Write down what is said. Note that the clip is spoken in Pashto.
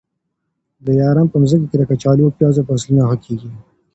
د دلارام په مځکي کي د کچالو او پیازو فصلونه ښه کېږي.